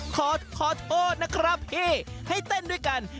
ขอโทษนะครับพี่ให้เต้นด้วยกัน